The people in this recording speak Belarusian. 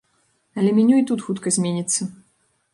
Але меню і тут хутка зменіцца.